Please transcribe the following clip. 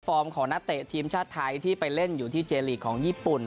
ของนักเตะทีมชาติไทยที่ไปเล่นอยู่ที่เจลีกของญี่ปุ่น